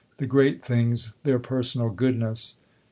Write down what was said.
" The great thing's their personal goodness."